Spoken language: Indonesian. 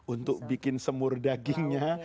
untuk bikin semur dagingnya